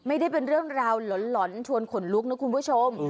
ไม่ได้เป็นเรื่องราวหล่อนชวนขนลุกนะคุณผู้ชม